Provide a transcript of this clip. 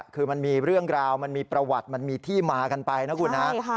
คือมันมีเรื่องราวมันมีประวัติมันมีที่มากันไปนะคุณนะ